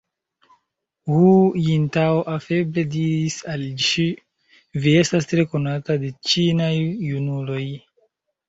Hu Jintao afable diris al ŝi: Vi estas tre konata de ĉinaj junuloj.